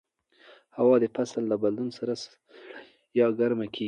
هوا د فصل له بدلون سره سړه یا ګرمه کېږي